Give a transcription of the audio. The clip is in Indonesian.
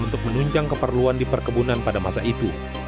untuk menunjang keperluan di perkebunan pada masa itu